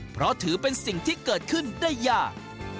เพราะถือเป็นสิ่งที่เกิดขึ้นได้ยาก